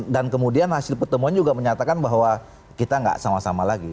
dan kemudian hasil pertemuan juga menyatakan bahwa kita nggak sama sama lagi